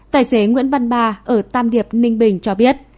tài xế nguyễn văn ba ở tam điệp ninh bình cho biết